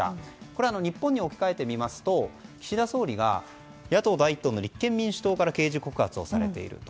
これ、日本に置き換えてみますと岸田総理が野党第一党の立憲民主党から刑事告発をされている。